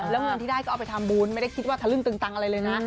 แล้วเงินที่ได้ก็เอาไปทำบุญไม่ได้คิดว่าทะลึ่งตึงตังอะไรเลยนะ